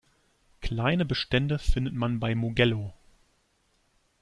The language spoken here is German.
Kleine Bestände findet man bei Mugello.